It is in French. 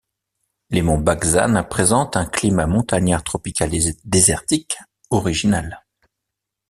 Les monts Bagzane présentent un climat montagnard tropical désertique original.